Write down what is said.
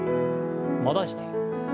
戻して。